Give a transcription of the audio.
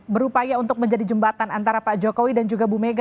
berupaya untuk menjadi jembatan antara pak jokowi dan juga bu mega